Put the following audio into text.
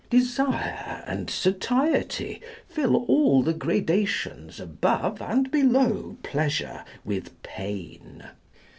Desire and satiety fill all the gradations above and below pleasure with pain.